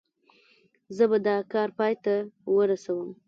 زه به دا کار پای ته ورسوم.